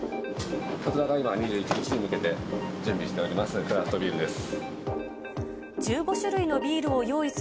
こちらが今、２１日に向けて、準備しておりますクラフトビールです。